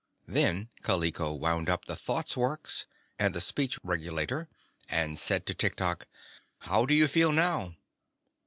Then Kaliko wound up the thought works and the speech regulator and said to Tiktok: "How do you feel now?"